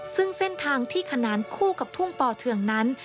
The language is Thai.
ซึ่งเส้นทางที่ขนานคู่กับทุ่งป่อเทืองนั้น